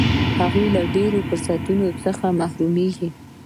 هغه له ډېرو فرصتونو څخه محرومیږي.